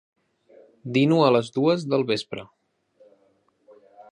Dino a les dues del vespre.